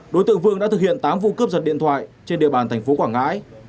đối tượng vương đã thực hiện tám vụ cướp giật điện thoại trên địa bàn thành phố quảng ngãi